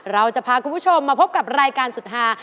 เราจะพาคุณผู้ชมมาพบกับรายการสุดฮา